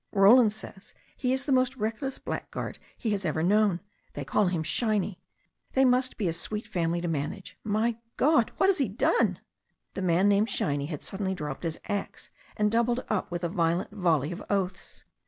Roland says he is the most reckless blackguard he has ever known. They call him Shiny. They must be a sweet family to manage. My God! What has he done?" The man named Shiny had suddenly dropped his axe, and doubled up with a violent volley of oaths.